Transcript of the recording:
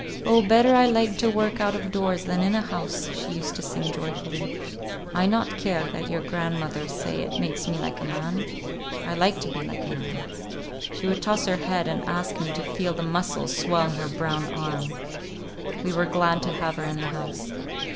"Oh, better I like to work out of doors than in a house!" she used to sing joyfully. "I not care that your grandmother say it makes me like a man. I like to be like a man." She would toss her head and ask me to feel the muscles swell in her brown arm. We were glad to have her in the house.